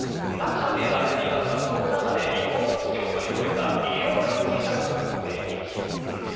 中でやられていたのがコロナ禍で離婚の危機を乗り越えた医療関係者夫婦の演劇。